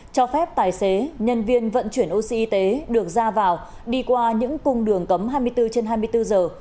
cho phép tài xế nhân viên vận chuyển oxy được ra vào đi qua những cung đường cấm hai mươi bốn trên hai mươi bốn giờ